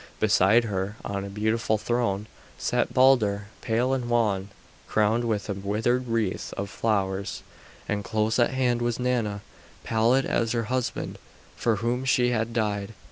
Beside her, on a beautiful throne, sat Balder, pale and wan, crowned with a withered wreath of flowers, and close at hand was Nanna, pallid as her husband, for whom she had died.